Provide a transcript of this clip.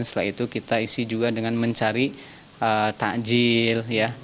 setelah itu kita isi juga dengan mencari takjil